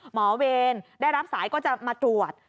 เวรได้รับสายก็จะมาตรวจ